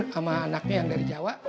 sama anaknya yang dari jawa